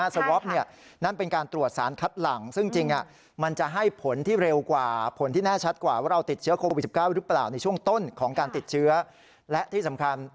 ที่คุณเคยใช้อยู่นะฮะสวอป